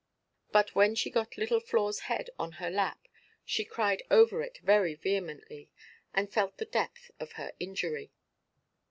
But when she got little Floreʼs head on her lap, she cried over it very vehemently, and felt the depth of her injury.